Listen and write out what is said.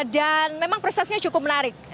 dan memang prosesnya cukup menarik